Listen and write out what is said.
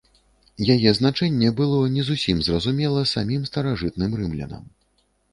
Яе значэнне было не зусім зразумела самім старажытным рымлянам.